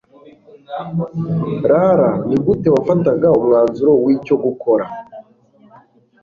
rr ni gute wafataga umwanzuro w icyo gukora